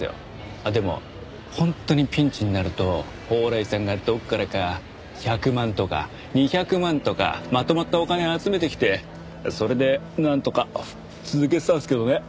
あっでも本当にピンチになると宝来さんがどこからか１００万とか２００万とかまとまったお金集めてきてそれでなんとか続けてたんですけどね。